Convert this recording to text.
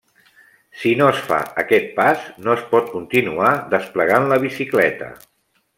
Si no es fa aquest pas, no es pot continuar desplegant la bicicleta.